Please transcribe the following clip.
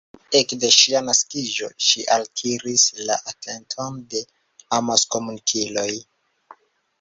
Ekde ŝia naskiĝo ŝi altiris la atenton de amaskomunikiloj.